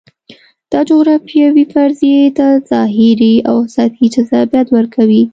دا جغرافیوي فرضیې ته ظاهري او سطحي جذابیت ورکوي.